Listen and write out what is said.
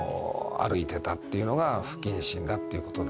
歩いてたっていうのが不謹慎だっていうことで。